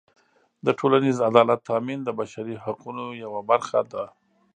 د ټولنیز عدالت تأمین د بشري حقونو یوه برخه ده.